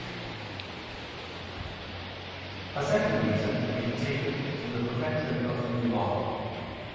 ] A second reason may be taken from the perfection of the New Law.